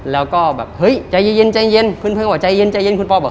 แล้วก็แบบเฮ้ยใจเย็นคุณพ่อบอกใจเย็นคุณพ่อบอก